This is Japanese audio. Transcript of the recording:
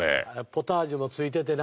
ポタージュも付いててな。